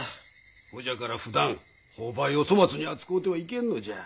ほじゃからふだん朋輩を粗末に扱うてはいけんのじゃ。